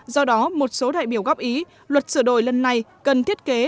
do đó một số đại biểu góp ý luật sửa đổi lần này cần thiết kế